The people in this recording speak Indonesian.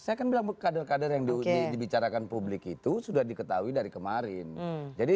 saya kan bilang kader kader yang dibicarakan publik itu sudah diketahui dari kemarin